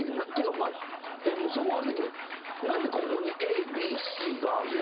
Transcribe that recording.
それもあれだけど何でここにＡＢＣがあるの？